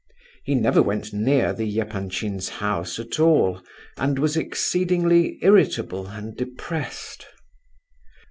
He never went near the Epanchins' house at all, and was exceedingly irritable and depressed.